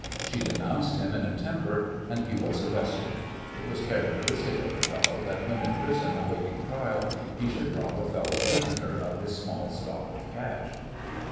She denounced him in a temper, and he was arrested. It was characteristic of the fellow that when in prison awaiting trial he should rob a fellow prisoner of his small stock of cash.